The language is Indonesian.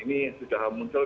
ini sudah muncul